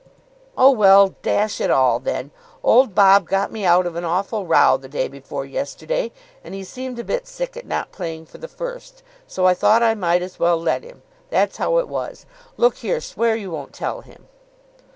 "Oh, well, dash it all then. Old Bob got me out of an awful row the day before yesterday, and he seemed a bit sick at not playing for the first, so I thought I might as well let him. That's how it was. Look here, swear you won't tell him."